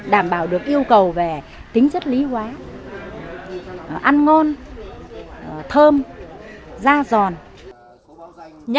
đảm bảo được yêu cầu về tính chất lý hóa ăn ngon thơm da giòn